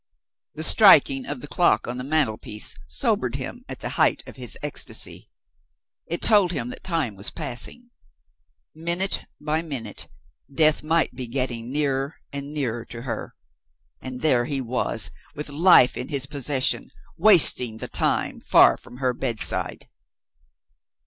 The striking of the clock on the mantelpiece sobered him at the height of his ecstasy. It told him that time was passing. Minute by minute, Death might be getting nearer and nearer to her; and there he was, with Life in his possession, wasting the time, far from her bedside.